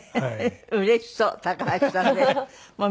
うれしそう高橋さんね。